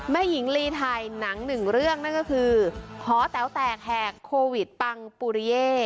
หญิงลีไทยหนังหนึ่งเรื่องนั่นก็คือหอแต๋วแตกแหกโควิดปังปุริเย่